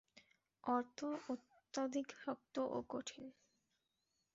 অর্থ ও অত্যধিক শক্ত ও কঠিন।